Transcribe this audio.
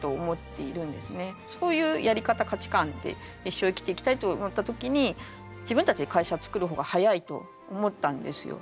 そういうやり方価値観で一生生きていきたいと思った時に自分たちで会社つくる方が早いと思ったんですよ。